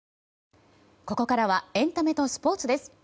ここからはエンタメとスポーツです。